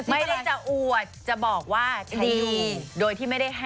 ไม่ได้จะอวดจะบอกว่าใช้อยู่